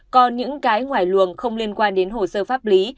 còn những cái ngoài luồng không liên quan đến hồ sơ pháp lý